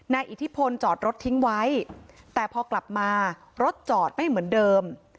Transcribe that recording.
อิทธิพลจอดรถทิ้งไว้แต่พอกลับมารถจอดไม่เหมือนเดิม